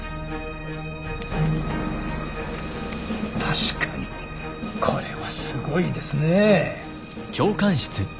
確かにこれはすごいですねぇ。